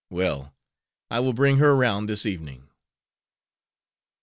Well, I will bring her around this evening."